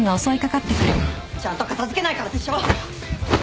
ちゃんと片付けないからでしょ。